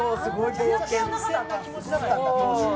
新鮮な気持ちだったんだ、当時。